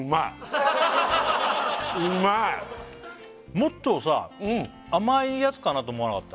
もっとさ甘いやつかなと思わなかった？